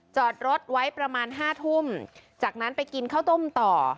จอดรถไว้ประมาณ๕ทุ่มจากนั้นไปกินข้าวต้มต่อ